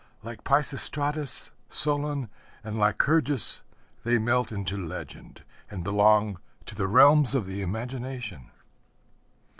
Like Pisistratus, Solon, and Lycurgus, they melt into legend and belong to the realms of the imagination.